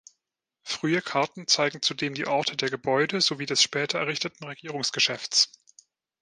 Frühe Karten zeigen zudem die Orte der Gebäude sowie des später errichteten Regierungsgeschäfts.